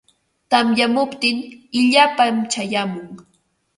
Tamyamuptin illapam chayamun.